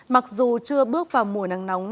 mặc dù chưa bước vào mùa nắng nóng